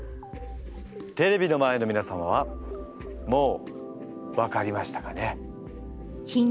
テレビの前のみなさんはもう分かりましたかね？